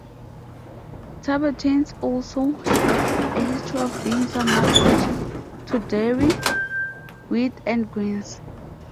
Tibetans also have a history of being somewhat allergic to dairy, wheat and grains.